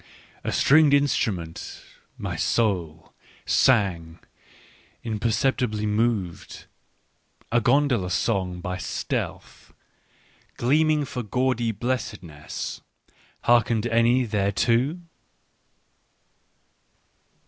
... A stringed instrument, my soul, Sang, imperceptibly moved, A gondola song by stealth, Gleaming for gaudy blessedness. — Hearkened any thereto ?